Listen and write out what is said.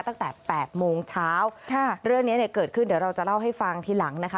ตั้งแต่๘โมงเช้าเรื่องนี้เกิดขึ้นเดี๋ยวเราจะเล่าให้ฟังทีหลังนะคะ